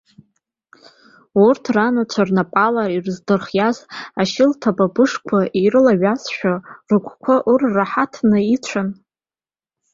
Урҭ, ранацәа рнапала ирыздырхиаз ашьылҭа-быбышқәа ирылаиазшәа, рыгәқәа ырраҳаҭны ицәан.